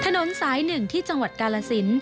ถนนสาย๑ที่จังหวัดกาลสิน